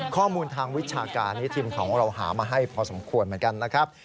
ข้อมูลทางวิชาการนี้ทีมข่าวของเราหามาให้พอสมควรเหมือนกันนะครับ